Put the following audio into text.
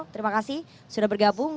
terima kasih sudah bergabung